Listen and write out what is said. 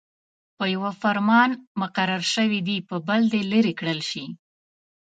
په يوه فرمان مقرر شوي دې په بل دې لیرې کړل شي.